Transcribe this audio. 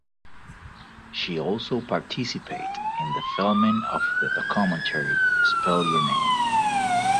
She also participated in the filming of the documentary "Spell your name".